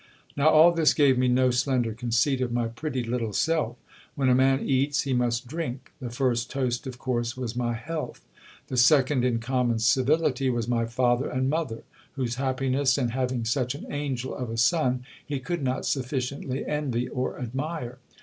Now all this gave me no slender conceit of my pretty little self. When a man eats, he must drink. The first toast of course was my health. The second, in common civility, was my father and mother, whose happiness in having such an angel of a son, he could not sufficiently envy or admire.